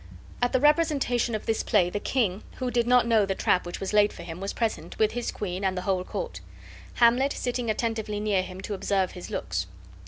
At the representation of this play, the king, who did not know the trap which was laid for him, was present, with his queen and the whole court; Hamlet sitting attentively near him to observe his looks.